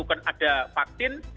bukan ada vaktin